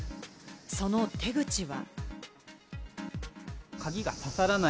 その手口は。